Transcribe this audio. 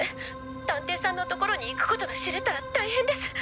探偵さんのところに行くことが知れたら大変です。